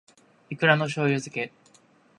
いくらの醬油漬け